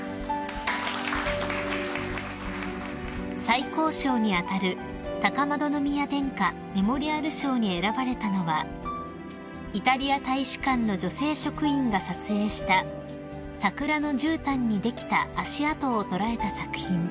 ［最高賞に当たる高円宮殿下メモリアル賞に選ばれたのはイタリア大使館の女性職員が撮影した桜のじゅうたんにできた足跡を捉えた作品］